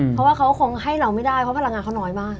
เพราะว่าเขาคงให้เราไม่ได้เพราะพลังงานเขาน้อยมาก